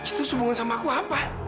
itu sehubungan sama aku apa